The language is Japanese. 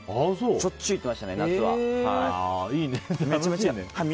しょっちゅう行ってました、夏は。